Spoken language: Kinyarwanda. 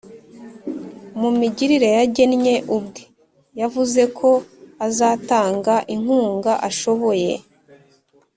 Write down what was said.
mu migirire yagennye ubwe yavuze ko azatanga inkunga ashoboye